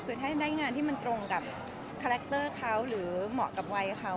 คือถ้าได้งานที่มันตรงกับคาแรคเตอร์เขาหรือเหมาะกับวัยเขา